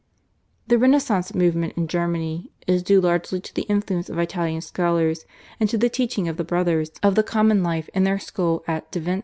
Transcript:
The Renaissance movement in Germany is due largely to the influence of Italian scholars and to the teaching of the Brothers of the Common Life in their school at Deventer.